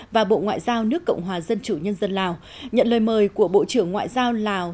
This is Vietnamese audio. và bộ ngoại giao nước cộng hòa dân chủ nhân dân lào nhận lời mời của bộ trưởng ngoại giao lào